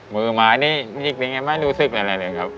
มือไม้นี่มาที่นี่ก็ดินไงไม่รู้ซึกอะไรเลยครับ